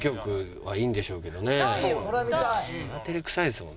はい。